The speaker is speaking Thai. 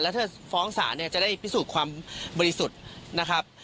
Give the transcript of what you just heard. ถ้าฟ้องศาลเนี่ยจะได้พิสูจน์ความบริสุทธิ์นะครับ